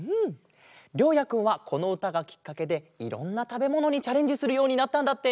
りょうやくんはこのうたがきっかけでいろんなたべものにチャレンジするようになったんだって！